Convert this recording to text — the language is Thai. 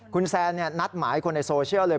คุณแซนนัดหมายคนในโซเชียลเลย